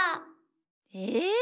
え！